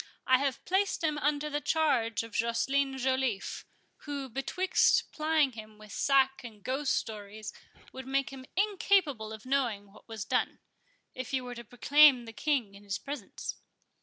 I have placed him under the charge of Joceline Joliffe, who, betwixt plying him with sack and ghost stories, would make him incapable of knowing what was done, if you were to proclaim the King in his presence."